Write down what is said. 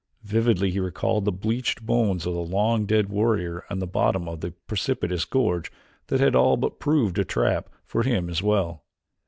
Vividly he recalled the bleached bones of the long dead warrior in the bottom of the precipitous gorge that had all but proved a trap for him as well.